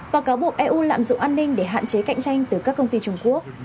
và cáo buộc eu lạm dụng an ninh để hạn chế cạnh tranh từ các công ty trung quốc